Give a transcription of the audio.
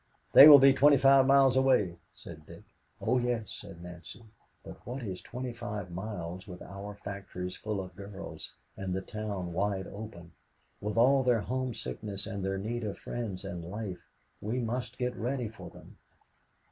"They will be twenty five miles away," said Dick. "Oh, yes," said Nancy, "but what is twenty five miles with our factories full of girls, and the town wide open? With all their homesickness and their need of friends and life, we must get ready for them."